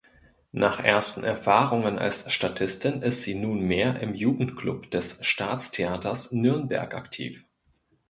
Nach ersten Erfahrungen als Statistin ist sie nunmehr im Jugendclub des Staatstheaters Nürnberg aktiv.